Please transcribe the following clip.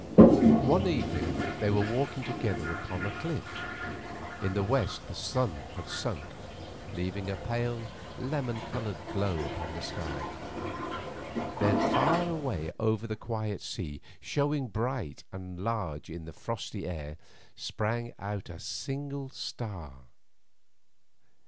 One evening they were walking together upon the cliff. In the west the sun had sunk, leaving a pale, lemon coloured glow upon the sky. Then far away over the quiet sea, showing bright and large in that frosty air, sprang out a single star.